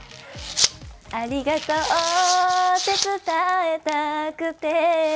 ありがとうって伝えたくて